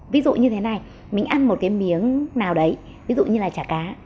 ví dụ như thế này mình ăn một cái miếng nào đấy ví dụ như là chả cá